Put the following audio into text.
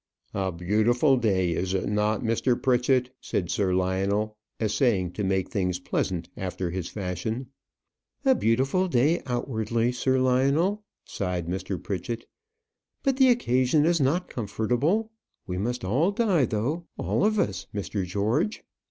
"A beautiful day, is it not, Mr. Pritchett?" said Sir Lionel, essaying to make things pleasant, after his fashion. "A beautiful day outwardly, Sir Lionel," sighed Mr. Pritchett. "But the occasion is not comfortable. We must all die, though; all of us, Mr. George."